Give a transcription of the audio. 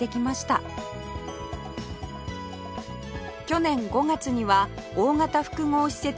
去年５月には大型複合施設